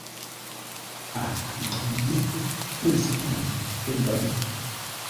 A ghʉ yé pə̂ zə̂u yi pə́ lə̌ʼ.